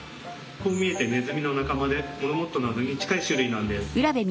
こう見えてネズミの仲間でモルモットなどに近い種類なんです。